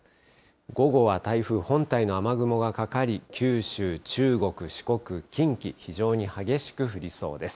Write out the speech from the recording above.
午後は台風本体の雨雲がかかり、九州、中国、四国、近畿、非常に激しく降りそうです。